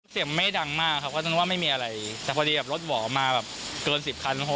เสียงไม่ดังมากครับก็นึกว่าไม่มีอะไรแต่พอดีแบบรถหวอมาแบบเกินสิบคัน